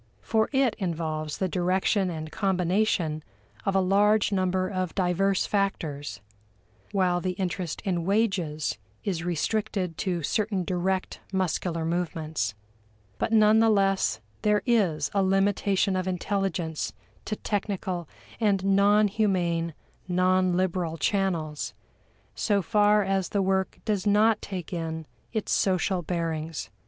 For it involves the direction and combination of a large number of diverse factors, while the interest in wages is restricted to certain direct muscular movements. But none the less there is a limitation of intelligence to technical and non humane, non liberal channels, so far as the work does not take in its social bearings.